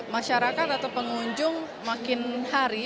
masyarakat atau pengunjung makin hari